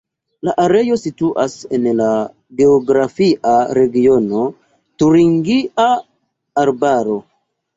La areo situas en la geografia regiono Turingia Arbaro.